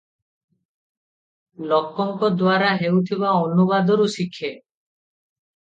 ଲୋକଙ୍କ ଦ୍ୱାରା ହେଉଥିବା ଅନୁବାଦରୁ ଶିଖେ ।